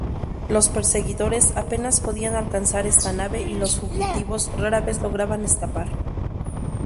Los perseguidores apenas podían alcanzar esta nave y los fugitivos rara vez lograban escapar.